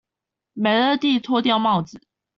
美樂蒂脫掉帽子